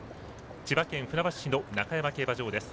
千葉県船橋市の中山競馬場です。